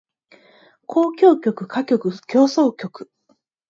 交響曲歌曲協奏曲